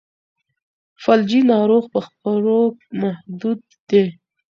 فلجي ناروغ په خبرو محدود دی.